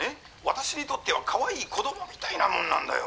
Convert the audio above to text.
私にとってはかわいい子供みたいなもんなんだよ」